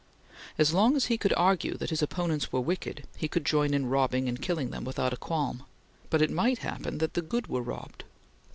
As long as he could argue that his opponents were wicked, he could join in robbing and killing them without a qualm; but it might happen that the good were robbed.